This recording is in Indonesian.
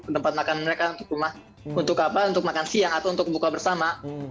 ke tempat makan mereka untuk makan siang atau untuk buka bersama